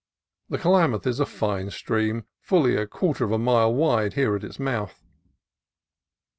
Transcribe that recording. The Klamath is a fine stream, fully a quarter of a mile wide here at its mouth.